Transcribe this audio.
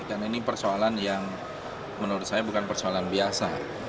karena ini persoalan yang menurut saya bukan persoalan biasa